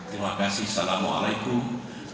terima kasih assalamualaikum